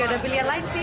gak ada pilihan lain sih